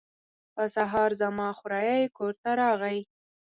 په سهار زما خوریی کور ته راغی.